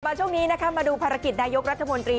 ช่วงนี้นะคะมาดูภารกิจนายกรัฐมนตรี